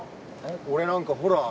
俺なんかほら。